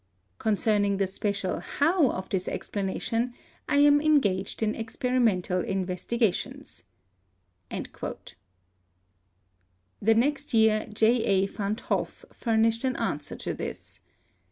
"Concerning the special 'how' of this explanation, I am engaged in experimental investigations." The next year J. H. Van't Hoff furnished an answer to this.